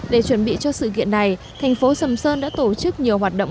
để chuẩn bị cho sự kiện này thành phố sầm sơn đã tổ chức nhiều hoạt động